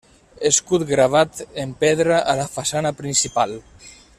Escut gravat en pedra a la façana principal.